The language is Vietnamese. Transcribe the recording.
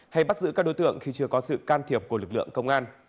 hay bắt giữ các đối tượng khi chưa có sự can thiệp của lực lượng công an